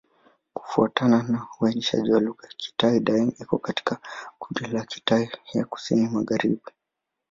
Kufuatana na uainishaji wa lugha, Kitai-Daeng iko katika kundi la Kitai ya Kusini-Magharibi.